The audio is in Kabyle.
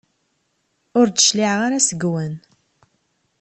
Ur d-cliɛeɣ ara seg-wen.